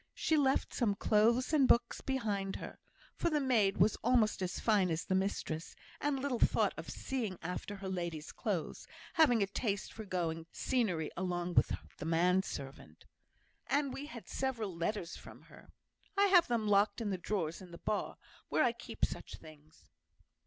She left some clothes and books behind her (for the maid was almost as fine as the mistress, and little thought of seeing after her lady's clothes, having a taste for going to see scenery along with the man servant), and we had several letters from her. I have them locked in the drawers in the bar, where I keep such things."